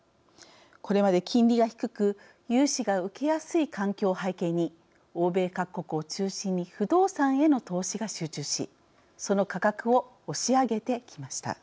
これまで金利が低く融資が受けやすい環境を背景に欧米各国を中心に不動産への投資が集中しその価格を押し上げてきました。